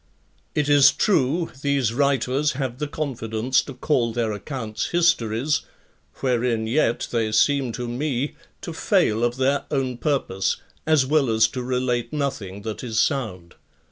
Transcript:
3. It is true, these writers have the confidence to call their accounts histories; wherein yet they seem to me to fail of their own purpose, as well as to relate nothing that is sound.